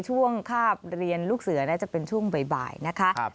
คาบเรียนลูกเสือน่าจะเป็นช่วงบ่ายนะคะ